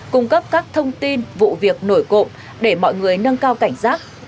cung cấp các thông tin vụ việc nổi cộng để mọi người nâng cao cảnh giác